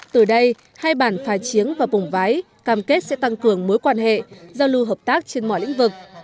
từ đây hai bản phá chiến và phùng vái cam kết sẽ tăng cường mối quan hệ giao lưu hợp tác trên mọi lĩnh vực